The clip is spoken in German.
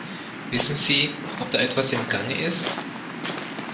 Wissen Sie, ob da etwas im Gange ist?